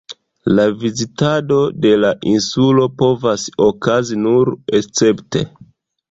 La vizitado de la insulo povas okazi nur escepte.